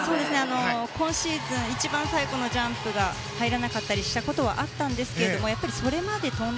今シーズン一番最後のジャンプが入らなかったりしたことはあったんですがやっぱりそれまで跳んだ